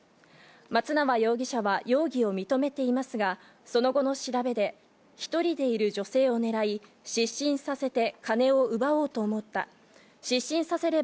松縄容疑者は容疑を認めていますが、その後の調べで、一人でいる女性を狙い、失神させて金を奪おうと思った。